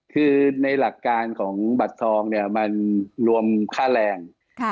คือในหลักการของบัตรทองเนี่ยมันรวมค่าแรง